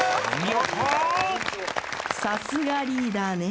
さすがリーダーね。